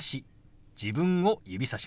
自分を指さします。